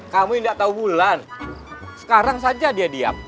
kamu ga tau bulan sekarang saja dia diam